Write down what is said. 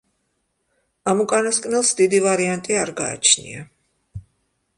ამ უკანასკნელს დიდი ვარიანტი არ გააჩნია.